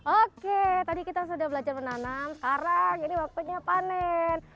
oke tadi kita sudah belajar menanam sekarang ini waktunya panen